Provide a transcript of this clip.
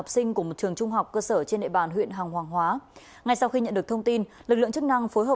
xin chào và hẹn gặp lại